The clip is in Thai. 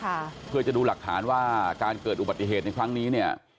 ค่ะเพื่อจะดูหลักฐานว่าการเกิดอุบัติเหตุในครั้งนี้เนี่ย